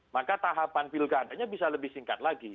maka tahapan pilkadanya bisa lebih singkat lagi